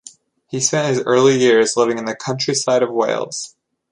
He spent his early years living in the countryside of Wales.